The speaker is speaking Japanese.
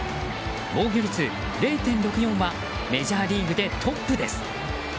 防御率０．６４はメジャーリーグでトップです。